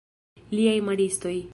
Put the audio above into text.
Liaj maristoj!